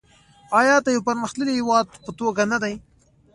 آیا د یو پرمختللي هیواد په توګه نه دی؟